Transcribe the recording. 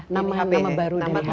nama baru dari hph